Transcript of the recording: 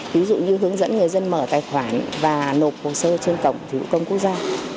ví dụ như hướng dẫn người dân mở tài khoản và nộp hồ sơ trên cổng dịch vụ công quốc gia